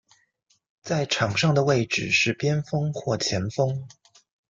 在场上的位置是边锋或前锋。